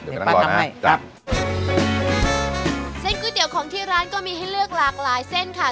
เดี๋ยวป้าทำให้ครับเส้นก๋วยเตี๋ยวของที่ร้านก็มีให้เลือกหลากหลายเส้นค่ะ